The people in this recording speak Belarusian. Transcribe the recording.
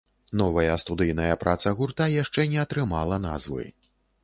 Новая студыйная праца гурта яшчэ не атрымала назвы.